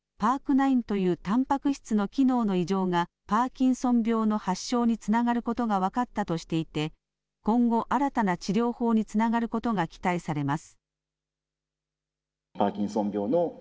９というたんぱく質の機能の異常がパーキンソン病の発症につながることが分かったとしていて、今後、新たな治療法につながることが期待されます。